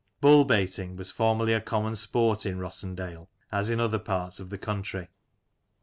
Bull baiting was formerly a common sport in Rossendale, as in other parts of the country.